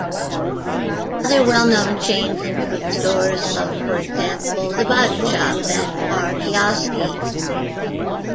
Other well-known chains include stores of for example the Body Shop and R-kioski.